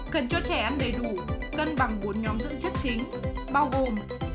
cần cho trẻ em đầy đủ cân bằng bốn nhóm dưỡng chất chính bao gồm